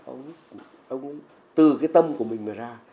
ông ấy từ cái tâm của mình mà ra